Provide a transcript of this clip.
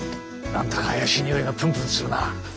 何だか怪しいにおいがプンプンするな。